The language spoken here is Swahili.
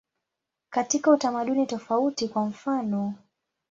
Katika utamaduni tofauti, kwa mfanof.